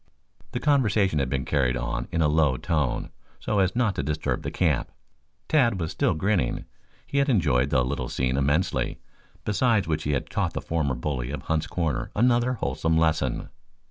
The conversation had been carried on in a low tone, so as not to disturb the camp. Tad was still grinning. He had enjoyed the little scene immensely, besides which he had taught the former bully of Hunt's Corners another wholesome lesson.